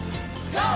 ＧＯ！